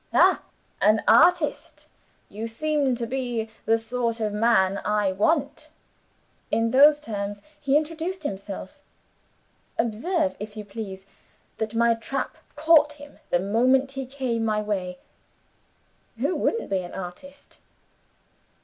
'Ha! an artist; you seem to be the sort of man I want!' In those terms he introduced himself. Observe, if you please, that my trap caught him the moment he came my way. Who wouldn't be an artist?"